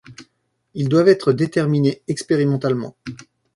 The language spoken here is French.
Ils doivent être déterminés expérimentalement.